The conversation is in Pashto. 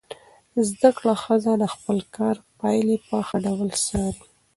زده کړه ښځه د خپل کار پایلې په ښه ډول څاري.